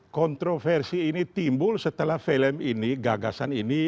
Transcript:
kontroversi ini timbul setelah film ini gagasan ini